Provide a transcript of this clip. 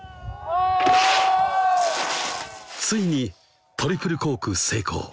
ついにトリプルコーク成功！